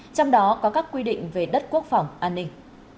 trong đó có các quy định về đất quốc phòng an ninh